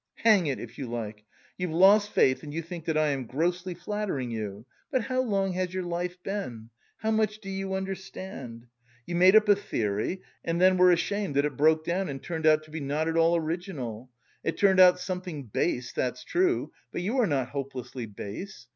"Hang it, if you like! You've lost faith and you think that I am grossly flattering you; but how long has your life been? How much do you understand? You made up a theory and then were ashamed that it broke down and turned out to be not at all original! It turned out something base, that's true, but you are not hopelessly base.